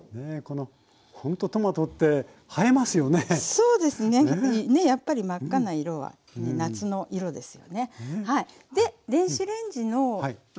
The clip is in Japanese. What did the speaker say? そうですねやっぱり真っ赤な色は夏の色ですよね。